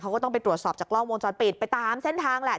เขาก็ต้องไปตรวจสอบจากกล้องวงจรปิดไปตามเส้นทางแหละ